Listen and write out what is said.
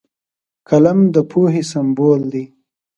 قلم د پوهې سمبول دی